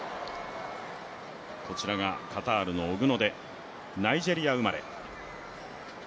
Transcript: こちらがカタールのオグノデ、ナイジェリア生まれ。